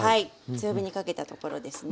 強火にかけたところですね。